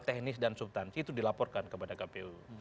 teknis dan subtansi itu dilaporkan kepada kpu